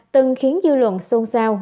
từng khiến dư luận xôn xao